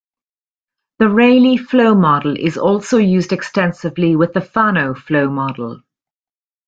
The Rayleigh flow model is also used extensively with the Fanno flow model.